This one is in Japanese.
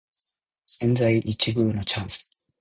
千載一遇のチャンス